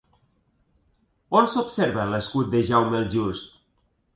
On s'observa l'escut de Jaume el Just?